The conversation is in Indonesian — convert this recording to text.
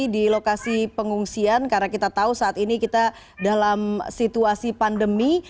di lokasi pengungsian karena kita tahu saat ini kita dalam situasi pandemi